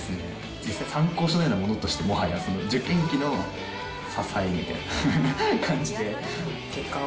実際参考書のようなものとして、もはや受験期の支えみたいな感じで。